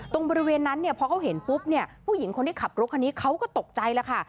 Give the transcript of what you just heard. บริเวณนั้นเนี่ยพอเขาเห็นปุ๊บเนี่ยผู้หญิงคนที่ขับรถคันนี้เขาก็ตกใจแล้วค่ะ